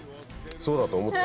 そうだと思った。